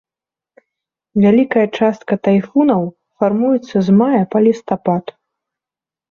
Вялікая частка тайфунаў фармуецца з мая па лістапад.